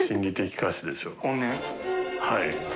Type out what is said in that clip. はい。